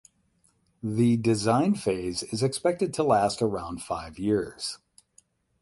The design phase is expected to last around five years.